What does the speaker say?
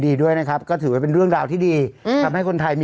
อันนี้ก็จะเป็นเรื่องของผู้ประกอบการณ์แหล่ะ